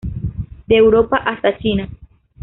De Europa hasta China.